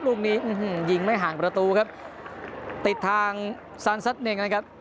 ลูกนี้ยิงไม่ห่างประตูครับติดทางซานซัดเน่งนะครับ